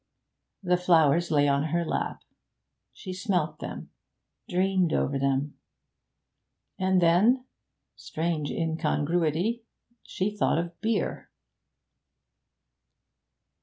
The flowers lay on her lap; she smelt them, dreamed over them. And then strange incongruity she thought of beer!